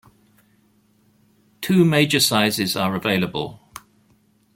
Two major sizes are available.